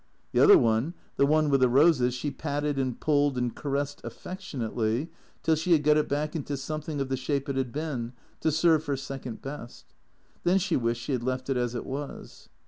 The other one, the one with the roses, she patted and pulled and caressed affec tionately, till she had got it back into something of the shape it had been, to serve for second best. Then she wished she had left it as it was.